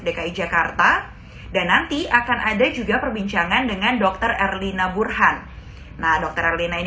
dki jakarta dan nanti akan ada juga perbincangan dengan dokter erlina burhan nah dokter erlina ini